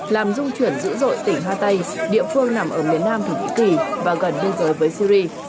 làm dung chuyển dữ dội tỉnh hatay địa phương nằm ở miền nam thổ nhĩ kỳ và gần biên giới với syri